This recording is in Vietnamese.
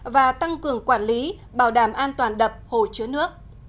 và tăng cường quản lý bảo đảm an toàn đập hồ chứa nước